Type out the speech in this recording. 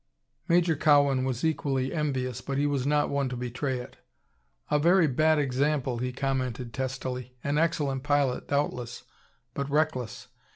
Major Cowan was equally envious, but he was not one to betray it. "A very bad example," he commented, testily. "An excellent pilot, doubtless, but reckless.